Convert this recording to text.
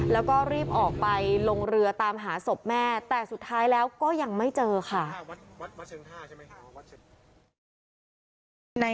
แล้วก็รีบออกไปลงเรือตามหาศพแม่แต่สุดท้ายแล้วก็ยังไม่เจอค่ะ